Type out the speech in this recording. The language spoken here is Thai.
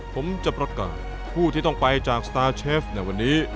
ผมจะประกาศผู้ที่ต้องไปจากสตาร์เชฟในวันนี้